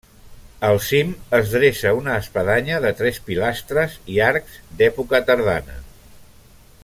Al cim es dreça una espadanya de tres pilastres i arcs d'època tardana.